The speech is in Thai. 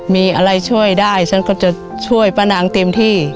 มีอะไรช่วยได้ฉันก็จะช่วยป้านางเต็มที่